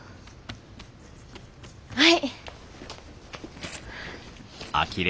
はい！